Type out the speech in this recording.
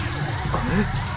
あれ？